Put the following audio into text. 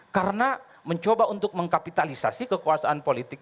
karena mencoba untuk mengkapitalisasi kekuasaan politik